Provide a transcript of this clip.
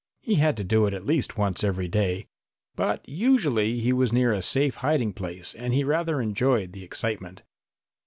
He had to do it at least once every day. But usually he was near a safe hiding place and he rather enjoyed the excitement.